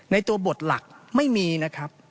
ในตัวบทหลักไม่มีนะครับ